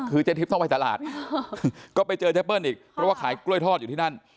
คือเจ๊ทิพย์ต้องไปตลาดก็ไปเจอเจ๊เปิ้ลอีกเพราะว่าขายกล้วยทอดอยู่ที่นั่น